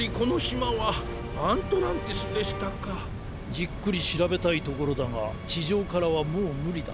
じっくりしらべたいところだがちじょうからはもうむりだ。